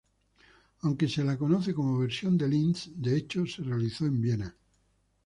Aunque se la conoce como "Versión de Linz", de hecho se realizó en Viena.